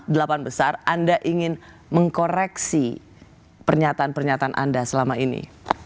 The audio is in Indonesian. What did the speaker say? delapan besar anda ingin mengkoreksi pernyataan pernyataan anda selama ini